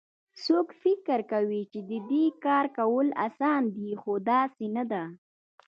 څوک فکر کوي چې د دې کار کول اسان دي خو داسي نه ده